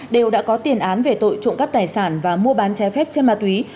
đều đã có tiền án về tội trộm cắp tài sản và mua bán trái phép trên mạ túy